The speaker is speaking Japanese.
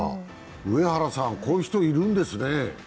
上原さん、こういう人いるんですね？